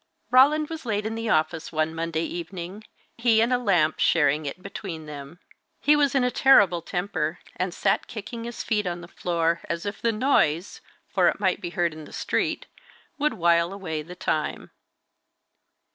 Roland was late in the office one Monday evening, he and a lamp sharing it between them. He was in a terrible temper, and sat kicking his feet on the floor, as if the noise, for it might be heard in the street, would while away the time.